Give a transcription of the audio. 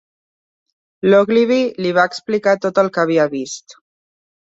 L'Ogivly li va explicar tot el que havia vist.